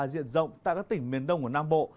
diện rộng tại các tỉnh miền đông của nam bộ